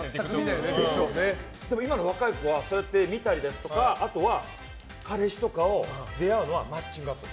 でも今の若い子はそうやって見たりだとかあとは、彼氏とかと出会うのはマッチングアプリ。